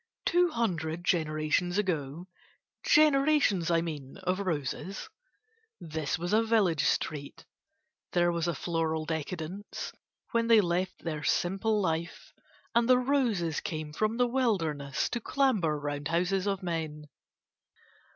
Two hundred generations ago (generations, I mean, of roses) this was a village street; there was a floral decadence when they left their simple life and the roses came from the wilderness to clamber round houses of men.